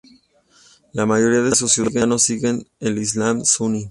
La mayoría de sus ciudadanos siguen el islam suní.